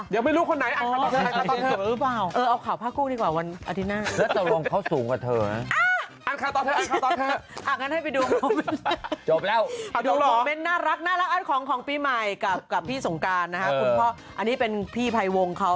เดี๋ยวไม่รู้คนไหนอันตราต้อสุสานของเขา